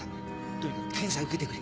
とにかく検査受けてくれ。